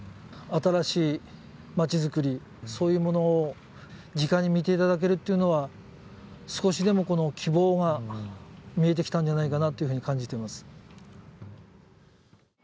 新しい町づくり、そういうものをじかに見ていただけるというのは少しでも希望が見えてきたんじゃないかなというふうに感じています。